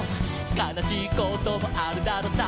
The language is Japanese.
「かなしいこともあるだろさ」